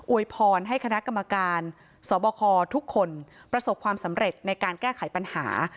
วยพรให้คณะกรรมการสบคทุกคนประสบความสำเร็จในการแก้ไขปัญหา